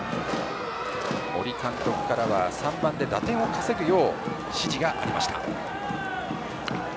森監督からは３番で打点を稼ぐよう指示がありました。